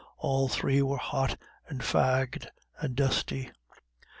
All three were hot and fagged and dusty.